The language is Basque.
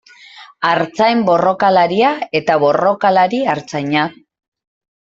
Artzain borrokalaria eta borrokalari artzaina.